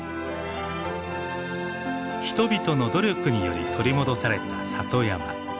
人々の努力により取り戻された里山。